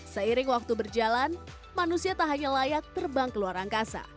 seiring waktu berjalan manusia tak hanya layak terbang ke luar angkasa